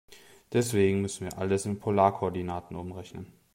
Deswegen müssen wir alles in Polarkoordinaten umrechnen.